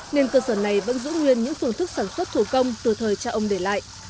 nên cơ sở này vẫn giữ nguyên những phương thức sản xuất thủ công từ thời cha ông để lại